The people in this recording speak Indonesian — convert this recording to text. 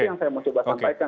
itu yang saya mau coba sampaikan